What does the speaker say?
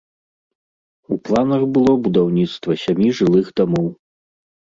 У планах было будаўніцтва сямі жылых дамоў.